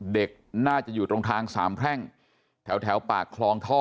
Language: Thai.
เด็กน่าจะอยู่ตรงทางสามแพร่งแถวปากคลองท่อ